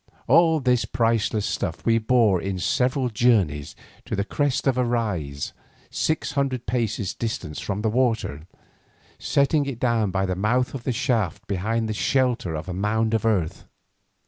All this priceless stuff we bore in several journeys to the crest of a rise some six hundred paces distant from the water, setting it down by the mouth of a shaft behind the shelter of a mound of earth.